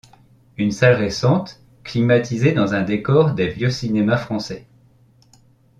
Une salle récente, climatisée dans un décors des vieux cinémas français.